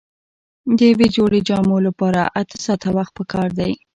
د یوې جوړې جامو لپاره اته ساعته وخت پکار دی.